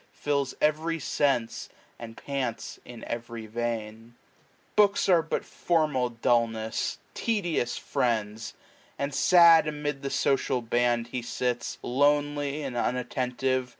Fills every sense> and pants in every vein. Books are but formal dullness, tedious friends ; And sad amid the social band he sits, \ Lonely, and unattentive.